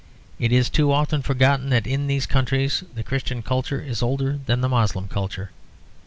It is too often forgotten that in these countries the Christian culture is older than the Moslem culture.